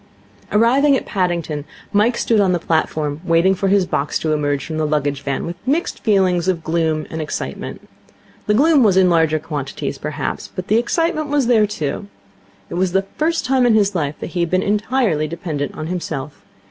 Arriving at Paddington, Mike stood on the platform, waiting for his box to emerge from the luggage van, with mixed feelings of gloom and excitement. The gloom was in the larger quantities, perhaps, but the excitement was there, too. It was the first time in his life that he had been entirely dependent on himself.